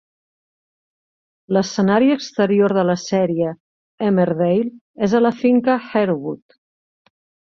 L'escenari exterior de la sèrie "Emmerdale" és a la finca Harewood.